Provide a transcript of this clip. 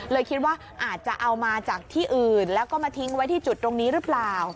คิดว่าอาจจะเอามาจากที่อื่นแล้วก็มาทิ้งไว้ที่จุดตรงนี้หรือเปล่า